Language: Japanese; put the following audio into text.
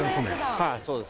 はいそうです。